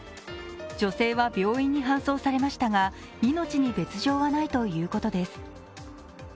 女性は病院に搬送されましたが命に別状はないということです。